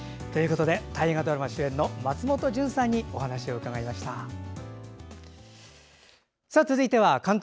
大河ドラマ主演の松本潤さんにお話を伺いました。